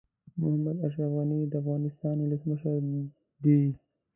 محمد اشرف غني د افغانستان ولسمشر دي.